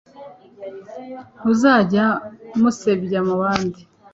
Nzajya musebya mu bandi